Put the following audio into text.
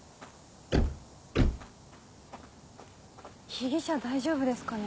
被疑者大丈夫ですかね